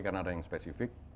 karena ada yang spesifik